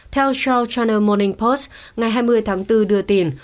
theo charles channel morning post ngày hai mươi tháng bốn đưa tiền